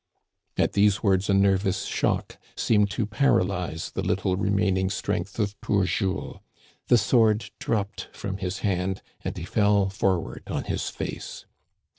" At these words a nervous shock seemed to paralyze the little remaining strength of poor Jules. The sword dropped from his hand and he fell forward on his face.